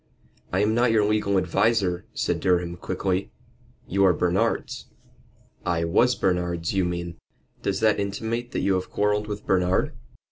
"I am not your legal adviser," said Durham, quickly. "You are Bernard's." "I was Bernard's, you mean." "Does that intimate that you have quarrelled with Bernard?"